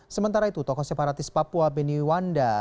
sementara itu tokoh separatis papua beni wanda